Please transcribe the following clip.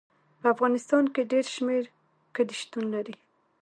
په افغانستان کې ډېر شمیر کلي شتون لري.